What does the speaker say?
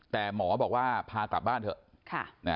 แต่หมอบอกว่าพากลับบ้านเถอะ